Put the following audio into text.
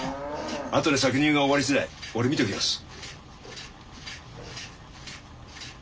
あとで搾乳が終わり次第俺見ときます。